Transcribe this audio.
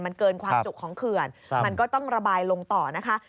มันเกินความจุของเขื่อนมันก็ต้องระบายลงต่อนะคะ